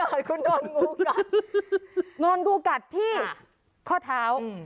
ฮ๊าคอตคุณคนน้องงูกัดนนดูกัดที่คอเท้า